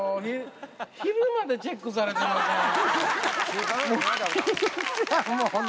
昼までチェックされてますやん。